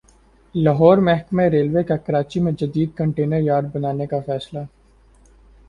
لاہور محکمہ ریلوے کا کراچی میں جدید کنٹینر یارڈ بنانے کا فیصلہ